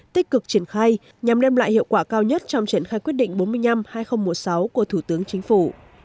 tích cực triển khai nhằm đem lại hiệu quả cao nhất trong triển khai quyết định bốn mươi năm hai nghìn một mươi sáu của thủ tướng chính phủ